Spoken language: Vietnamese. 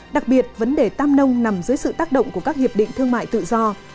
đặc biệt vấn đề tam nông nằm dưới sự tác động của các hiệp định thương mại tự do